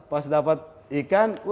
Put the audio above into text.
pas dapat ikan